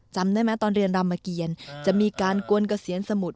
จำได้ไหมตอนเรียนรามเกียรจะมีการกวนเกษียณสมุทร